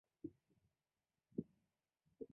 新尖额蟹属为膜壳蟹科新尖额蟹属的动物。